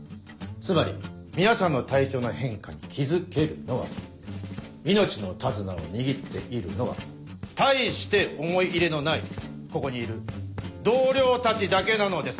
つまり皆さんの体調の変化に気付けるのは命の手綱を握っているのは大して思い入れのないここにいる同僚たちだけなのです。